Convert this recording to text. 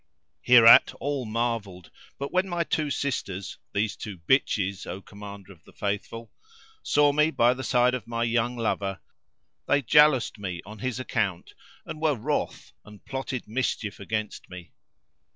Hereat all marvelled, but when my two sisters (these two bitches, O Commander of the Faithful!) saw me by the side of my young lover they jaloused me on his account and were wroth and plotted mischief against me.